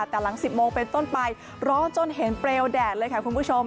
แต่หลัง๑๐โมงเป็นต้นไปร้อนจนเห็นเปลวแดดเลยค่ะคุณผู้ชม